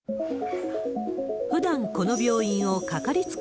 ふだんこの病院を掛かりつけ